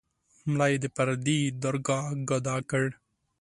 ملا یې د پردي درګاه ګدا کړ.